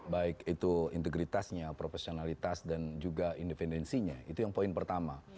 baik itu integritasnya profesionalitas dan juga independensinya itu yang poin pertama